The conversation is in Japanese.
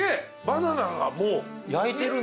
バナナも。